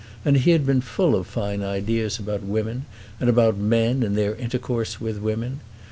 And he had been full of fine ideas about women, and about men in their intercourse with women.